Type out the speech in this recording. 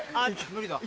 無理だ。